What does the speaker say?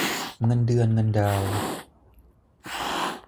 เงินเดือนเงินดาว